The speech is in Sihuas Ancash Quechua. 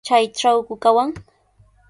¿Chaytrawku kawan?